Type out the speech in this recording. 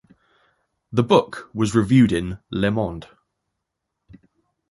The book was reviewed in "Le Monde".